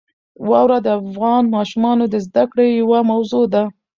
واوره د افغان ماشومانو د زده کړې یوه موضوع ده.